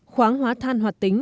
khoáng hóa than hoạt tính